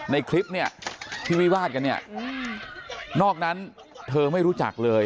ในคลิปเนี่ยที่วิวาดกันเนี่ยนอกนั้นเธอไม่รู้จักเลย